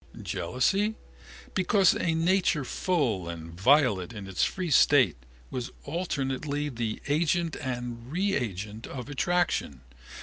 Jealousy? Because a nature full and volatile in its free state, was alternately the agent and reagent of attraction.